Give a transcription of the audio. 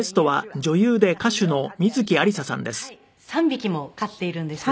３匹も飼っているんです。